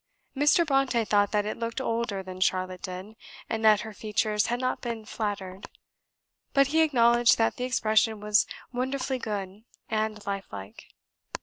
Mr. Brontë thought that it looked older than Charlotte did, and that her features had not been flattered; but he acknowledged that the expression was wonderfully good and life like.